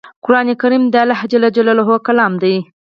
قرآن کریم د الله ج کلام دی